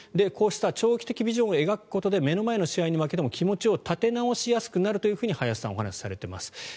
こうした長期的ビジョンを描くことで目の前の試合に負けても気持ちを立て直しやすくなると林さんはお話しされています。